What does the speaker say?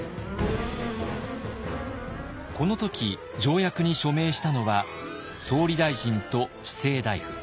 この時条約に署名したのは総理大臣と布政大夫。